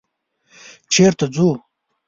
_چېرته ځو؟